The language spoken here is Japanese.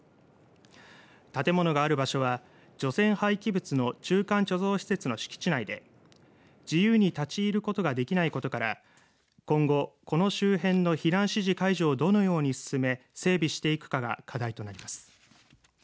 建物がある場所は除染廃棄物の中間貯蔵施設の敷地内で自由に立ち入ることができないことから今後この周辺の避難指示解除をどのように進め整備していくかが課題となります。